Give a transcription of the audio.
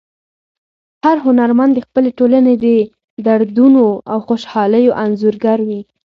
هر هنرمند د خپلې ټولنې د دردونو او خوشحالیو انځورګر وي.